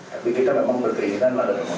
tapi kita memang berkeinginan pada penonton